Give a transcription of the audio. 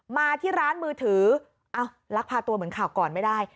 มาที่ร้านมือถือลักพาตัวเหมือนข่าวก่อนไม่ได้